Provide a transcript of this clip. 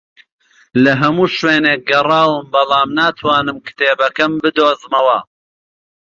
لە هەموو شوێنێک گەڕاوم، بەڵام ناتوانم کتێبەکەم بدۆزمەوە